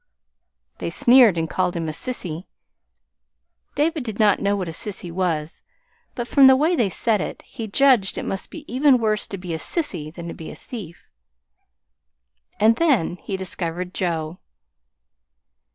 They sneered and called him a sissy. David did not know what a sissy was; but from the way they said it, he judged it must be even worse to be a sissy than to be a thief. And then he discovered Joe.